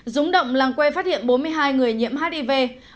rúng động làng quê phát hiện bốn mươi hai người nhiễm hiv